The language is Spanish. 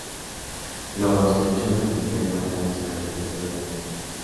Los mechones del pelo caen sobre el peto de la diosa.